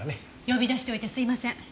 呼び出しておいてすみません。